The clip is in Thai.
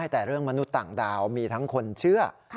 แต่เรื่องมนุษย์ต่างดาวมีทั้งคนเชื่อ